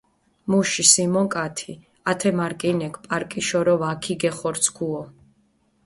მუში სიმონკათი ათე მარკინექ პარკიშორო ვაქიგეხორცქუო.